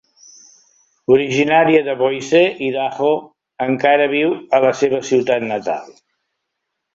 Originària de Boise, Idaho, encara viu a la seva ciutat natal.